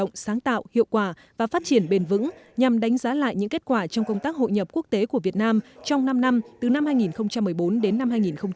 động sáng tạo hiệu quả và phát triển bền vững nhằm đánh giá lại những kết quả trong công tác hội nhập quốc tế của việt nam trong năm năm từ năm hai nghìn một mươi bốn đến năm hai nghìn một mươi tám